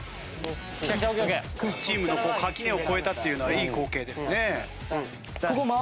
チームの垣根を越えたというのはいい光景ですね。